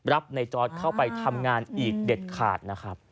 รับในจอร์ดเข้าไปทำงานอีกเด็ดขาดนะครับ